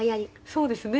そうですね。